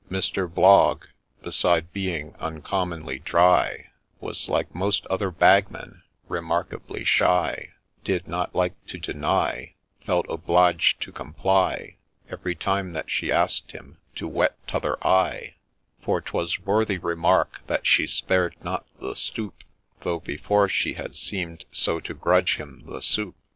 Mr. Blogg, beside being uncommonly dry, Was, like most other Bagmen, remarkably shy, —' Did not like to deny '—' Felt obliged to comply ' Every time that she ask'd him to ' wet t'other eye ;' For twas worthy remark that she spared not the stoup, Though before she had seem'd so to grudge him the soup.